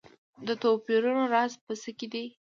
د توپیرونو راز په څه کې دی.